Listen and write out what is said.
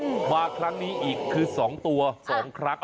มาครั้งนี้อีกคือสองตัวสองครั้ง